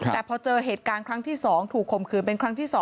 แต่พอเจอเหตุการณ์ครั้งที่๒ถูกข่มขืนเป็นครั้งที่๒